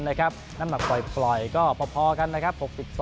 น้ำหนักปล่อยก็พอกันนะครับ